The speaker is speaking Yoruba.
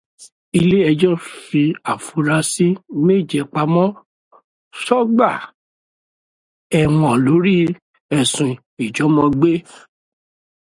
Ilé ẹjọ́ fi afurasí méje pamọ́ sọ́gbà ẹ̀wọ̀n lórí ẹ̀ṣún ìjọmọ́gbe.